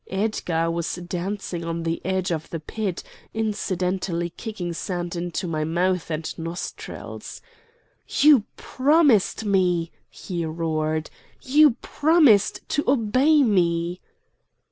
Edgar was dancing on the edge of the pit, incidentally kicking sand into my mouth and nostrils. "You promised me!" he roared. "You promised to obey me!"